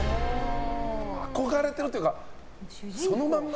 憧れてるっていうかそのまんま。